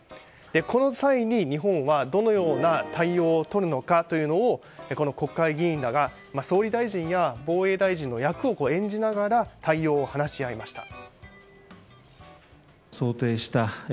この際に日本がどのような対応をとるのかというのを国会議員らが総理大臣や防衛大臣の役を演じながら対応を話し合いました。